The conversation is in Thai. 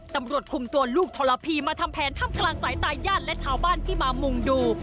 ตำรวจคุมตัวลูกทรพีมาทำแผนถ้ำกลางสายตาญาติและชาวบ้านที่มามุ่งดู